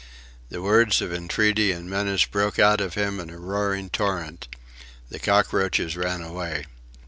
The words of entreaty and menace broke out of him in a roaring torrent. The cockroaches ran away.